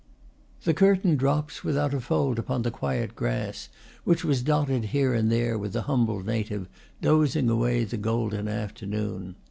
The curtain drops without a fold upon the quiet grass, which was dotted here and there with a humble native, dozing away the golden afternoon.